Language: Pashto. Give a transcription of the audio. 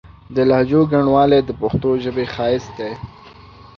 د لهجو ګڼوالی د پښتو ژبې ښايست دی.